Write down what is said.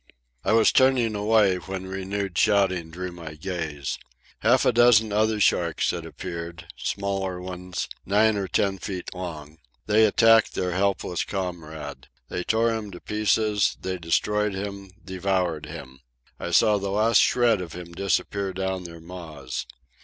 I was turning away, when renewed shouting drew my gaze. Half a dozen other sharks had appeared, smaller ones, nine or ten feet long. They attacked their helpless comrade. They tore him to pieces they destroyed him, devoured him. I saw the last shred of him disappear down their maws.